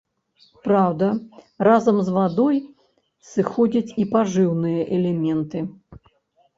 Праўда, разам з вадой сыходзяць і пажыўныя элементы.